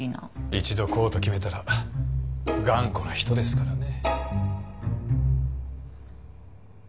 一度こうと決めたら頑固な人ですからね。